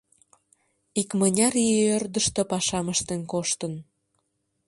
Икмыняр ий ӧрдыжтӧ пашам ыштен коштын.